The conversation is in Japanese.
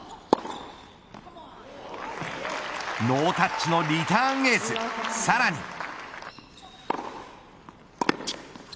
ノータッチのリターンエースさらに。